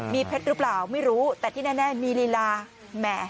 มีเพชรหรือเปล่าไม่รู้แต่ที่แน่มีลีลาแหม